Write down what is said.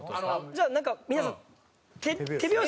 じゃあなんか皆さん手拍子。